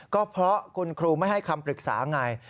ก็เพราะคุณครูไม่ให้คำปรึกษาไง